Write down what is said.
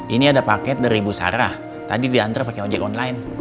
ini ada paket dari bu sarah tadi diantar pakai ojek online